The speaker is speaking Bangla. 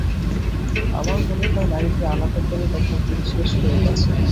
আমার মনে হয়, নারীদের আলাদা করে দেখার দিন শেষ হয়ে গেছে।